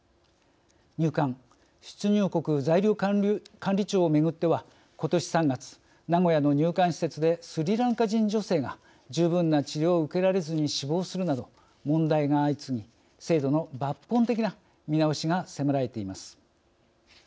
入管、出入国在留管理庁をめぐっては、ことし３月名古屋の入管施設でスリランカ人女性が十分な治療を受けられずに死亡するなど問題が相次ぎ制度の抜本的な見直しが迫られています。